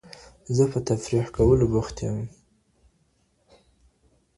زه په تفریح کولو بوخت یم.